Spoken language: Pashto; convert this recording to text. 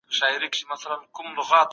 نورو ته دى مينه د زړګي وركوي تا غواړي